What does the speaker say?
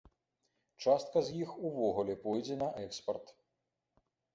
Частка з іх увогуле пойдзе на экспарт.